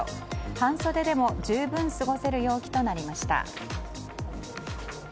半袖でも十分過ごせる陽気となりました。